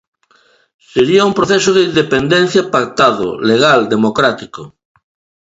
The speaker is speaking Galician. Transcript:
Sería un proceso de independencia pactado, legal, democrático.